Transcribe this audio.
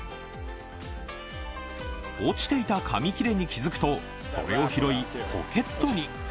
落ちていた紙切れに気付くとそれを拾いポケットに。